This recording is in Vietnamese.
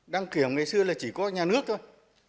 đăng kiểm ngày xưa là chỉ có nhà nước thôi